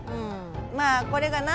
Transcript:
まあこれがな